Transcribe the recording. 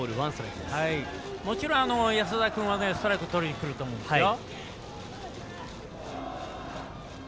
もちろん、安田君はストライクとりにくると思うんですよ。